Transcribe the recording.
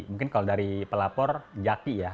mungkin kalau dari pelapor jaki ya